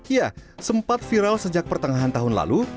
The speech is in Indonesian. ya sempat viral sejak pertengahan tahun lalu